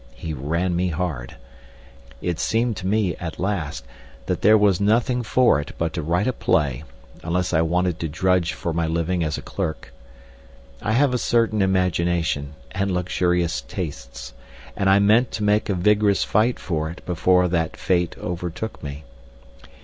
He ran me hard. It seemed to me, at last, that there was nothing for it but to write a play, unless I wanted to drudge for my living as a clerk. I have a certain imagination, and luxurious tastes, and I meant to make a vigorous fight for it before that fate overtook me.